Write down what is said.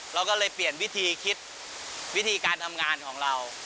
เราก็เลยเปลี่ยนวิธีคิดวิธีการทำงานของเรา